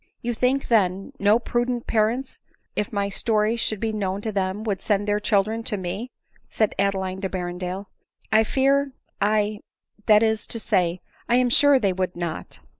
"You think, then, no prudent parents, if my story • i 106 ADELINE MOWBRAY. should be known to them, would send their children to me?" said Adeline to Berrendale. " I fear — I — that is to say, I am sure they would not."